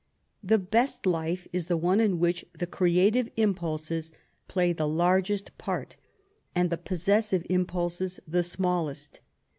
The best life is the one in which the creative impulses play the largest part and the possessive impulses the smallest.